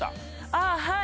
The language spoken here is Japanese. ああ、はい。